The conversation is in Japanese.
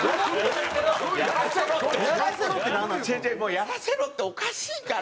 「やらせろ」っておかしいから。